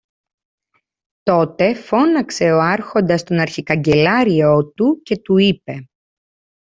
Τότε φώναξε ο Άρχοντας τον αρχικαγκελάριό του και του είπε